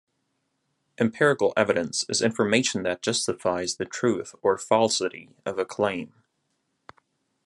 Empirical evidence is information that justifies the truth or falsity of a claim.